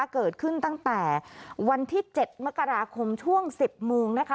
เกิดขึ้นตั้งแต่วันที่๗มกราคมช่วง๑๐โมงนะคะ